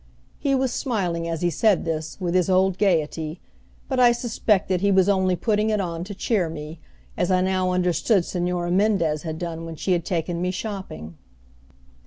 He was smiling, as he said this, with his old gaiety, but I suspected he was only putting it on to cheer me, as I now understand Señora Mendez had done when she had taken me shopping.